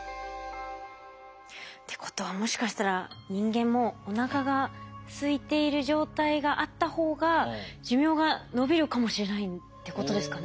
ってことはもしかしたら人間もおなかがすいている状態があった方が寿命が延びるかもしれないってことですかね。